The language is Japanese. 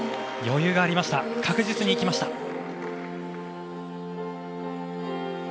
余裕がありました確実にいきました。